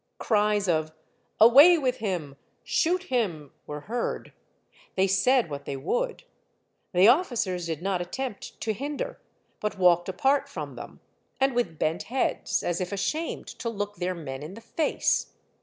Cries of " Away with him ! Shoot him !" were heard. They said what they would. The officers did not attempt to hinder, but walked apart from them, and with bent heads, as if ashamed to look their men in the face.